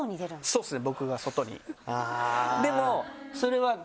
そうですね。